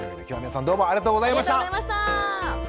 今日は皆さんどうもありがとうございました！